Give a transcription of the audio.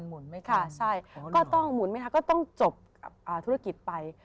หมุนไม่ทันค่ะใช่ก็ต้องหมุนไม่ทันก็ต้องจบอ่าธุรกิจไป